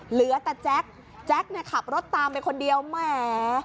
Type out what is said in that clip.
เหลือแต่แจ็คแจ็คเนี่ยขับรถตามไปคนเดียวแหม